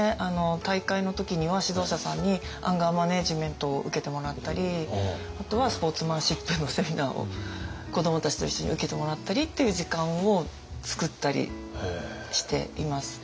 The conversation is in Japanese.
大会の時には指導者さんにアンガーマネジメントを受けてもらったりあとはスポーツマンシップのセミナーを子どもたちと一緒に受けてもらったりっていう時間をつくったりしています。